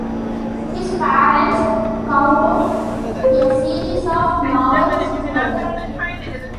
His parents cowrote a series of novels together.